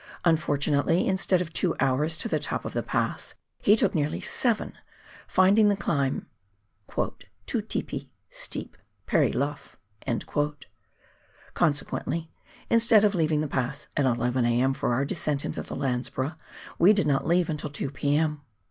Unfortunately, instead of two hours to the top of the pass he took nearly seven, finding the climb " too teepy (steep) pery lough"; consequently, instead of leaving the pass at 11 a.m. for our descent into the Landsborough, we did not leave till 2 p.m.